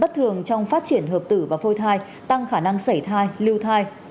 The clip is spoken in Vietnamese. bất thường trong phát triển hợp tử và phôi thai tăng khả năng xảy thai lưu thai